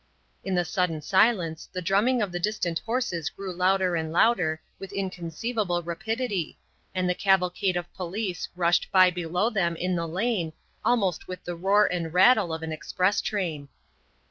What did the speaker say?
In the sudden silence, the drumming of the distant horses grew louder and louder with inconceivable rapidity, and the cavalcade of police rushed by below them in the lane, almost with the roar and rattle of an express train.